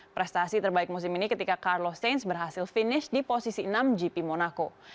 prestasi terbaik musim ini ketika carlo sains berhasil finish di posisi enam gp monaco